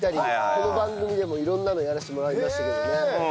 この番組でも色んなのやらせてもらいましたけどね。